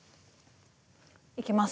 いきます。